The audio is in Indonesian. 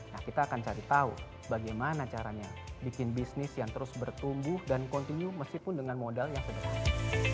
nah kita akan cari tahu bagaimana caranya bikin bisnis yang terus bertumbuh dan continue meskipun dengan modal yang sederhana